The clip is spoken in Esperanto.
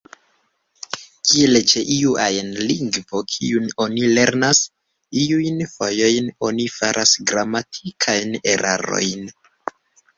Kiel ĉe iu ajn lingvo kiun oni lernas, iujn fojojn oni faras gramatikajn erarojn.